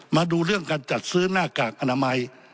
มาดูเรื่องการจัดซื้อหน้ากากอนามัย